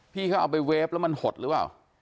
พี่เขาเอาไปเวฟแล้วมันหดหรือเปล่า